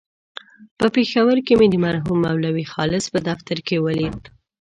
په پېښور کې مې د مرحوم مولوي خالص په دفتر کې ولید.